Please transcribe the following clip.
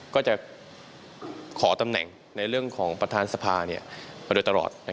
ก็จะขอตำแหน่งในเรื่องของประธานสภามาโดยตลอด